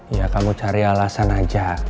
ya kamu cari alasan aja